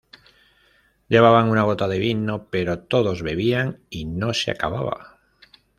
Llevaban una bota de vino, pero todos bebían y no se acababa.